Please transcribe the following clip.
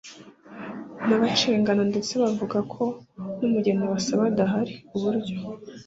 n’abacengana, ndetse bavuga ko n’umugeni basaba adahari. Uburyo